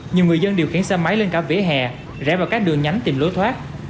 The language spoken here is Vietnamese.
nhiều người dân điều khiển xe máy lên cả vỉa hè rẽ vào các đường nhánh tìm lối thoát